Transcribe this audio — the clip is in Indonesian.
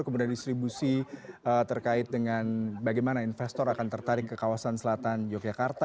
kemudian distribusi terkait dengan bagaimana investor akan tertarik ke kawasan selatan yogyakarta